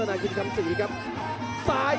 โอ้โหไม่พลาดกับธนาคมโด้แดงเขาสร้างแบบนี้